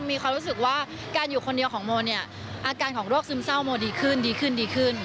มีความรู้สึกว่าการอยู่คนเดียวของโมเนี่ยอาการของโรคซึมเศร้าโมดีขึ้นดีขึ้นดีขึ้น